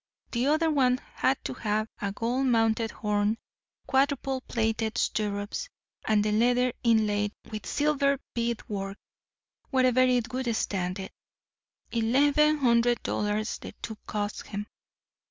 The other one had to have a gold mounted horn, quadruple plated stirrups, and the leather inlaid with silver beadwork wherever it would stand it. Eleven hundred dollars the two cost him.